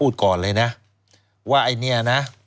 โดย